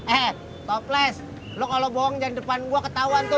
eh toples lo kalo bohong jangan depan gue ketauan tuh